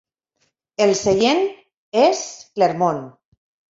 El seient és Clermont.